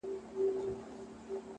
پوهه د شک پر ځای یقین پیاوړی کوي!